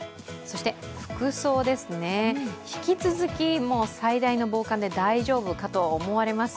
服装ですね、引き続き最大の防寒で大丈夫かと思われます。